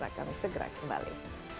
akan segera kembali